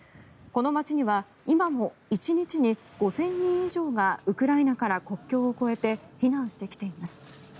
この街には今も１日に５０００人以上がウクライナから国境を越えて避難してきています。